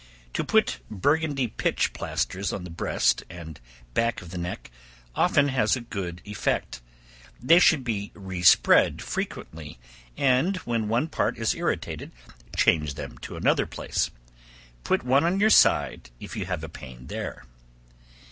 To put Burgundy pitch plasters on the breast and back of the neck, often has a good effect; they should be re spread frequently, and when one part is irritated, change them to another place. Put one on your side if you have a pain there.